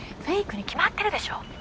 フェイクに決まってるでしょ。